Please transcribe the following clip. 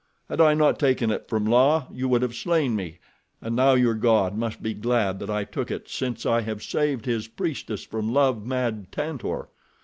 Had I not taken it from La you would have slain me and now your god must be glad that I took it since I have saved his priestess from love mad Tantor.